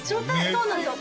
そうなんですよ